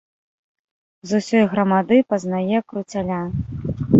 З усёй грамады пазнае круцяля!